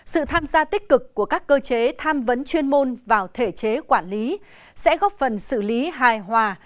sự tham gia tích cực của các cơ chế tham vấn chuyên môn vào thể chế quản lý sẽ góp phần xử lý hài hòa